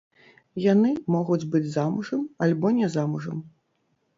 Яны могуць быць замужам альбо не замужам.